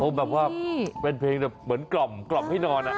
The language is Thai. แบบว่าเป็นเพลงแบบเหมือนกล่อมให้นอน